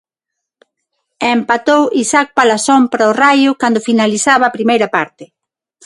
Empatou Isaac Palazón para o Raio cando finalizaba a primeira parte.